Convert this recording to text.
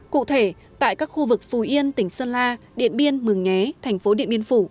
cụ thể tại các khu vực phù yên tỉnh sơn la điện biên mường nhé thành phố điện biên phủ